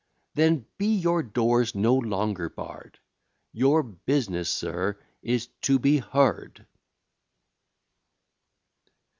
Then be your doors no longer barr'd: Your business, sir, is to be heard.